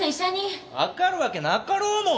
わかるわけなかろうもん